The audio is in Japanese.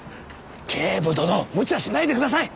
警部殿無茶しないでください！